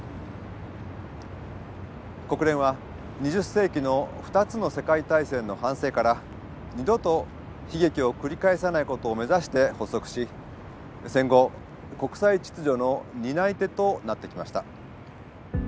国連は２０世紀の２つの世界大戦の反省から二度と悲劇を繰り返さないことを目指して発足し戦後国際秩序の担い手となってきました。